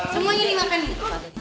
semuanya dimakan nih